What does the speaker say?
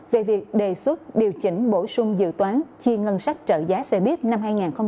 về việc đề xuất điều chỉnh bổ sung dự toán chiên ngân sách trợ giá xe buýt năm hai nghìn hai mươi